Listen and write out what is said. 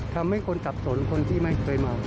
ทำให้คนสับสนคนที่ไม่เคยเมา